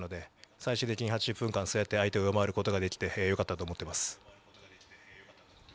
結果的に、こうやって８０分間相手を上回ることができてよかったと思います。